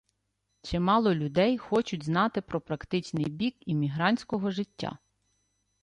Чимало людей хочуть знати про практичний бік іммігрантського життя